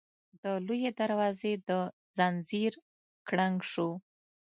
د لويي دروازې د ځنځير کړنګ شو.